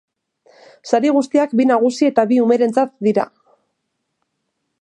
Sari guztiak bi nagusi eta bi umerentzat dira.